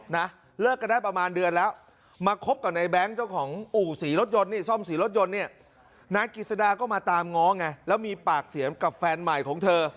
นายกิจดาก็มาตามง้อง่ายแล้วมีปากเสียงกับแฟนใหม่ของเธอ